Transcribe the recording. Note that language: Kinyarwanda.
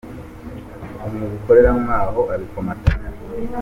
umwuga ukorera Muri aho abikomatanya.